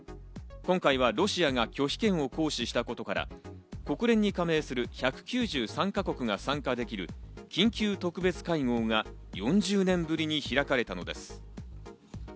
今回はロシアが拒否権を行使したことから、国連に加盟する１９３か国が参加できる緊急特別会合が４０年ぶりに開かれたのです。